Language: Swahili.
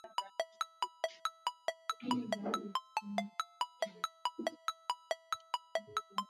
wanaoonekana kuwa na hali nzuri kiafya hasa walioanza kukomaa na ndama wanaoanza kula nyasi